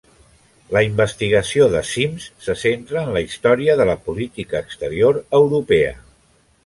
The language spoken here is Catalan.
La investigació de Simms se centra en la història de la política exterior europea.